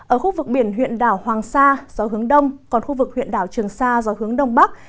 ở khu vực biển huyện đảo hoàng sa gió hướng đông còn khu vực huyện đảo trường sa gió hướng đông bắc